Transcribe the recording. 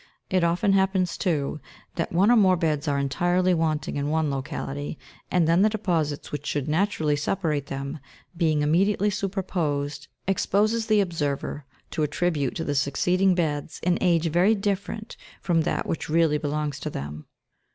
It often happens, too, that one or more beds are entirely wanting in one locali ty, and then the deposits which should naturally separate them, being im mediately superposed, exposes the observer to attribute to the succeeding beds an age very different from that which really belongs to them.